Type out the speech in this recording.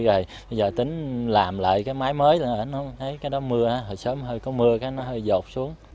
bây giờ tính làm lại cái máy mới là nó thấy cái đó mưa hồi sớm hơi có mưa cái nó hơi dột xuống